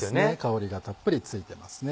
香りがたっぷりついてますね。